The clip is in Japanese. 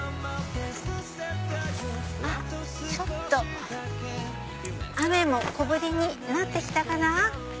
あっちょっと雨も小降りになって来たかな。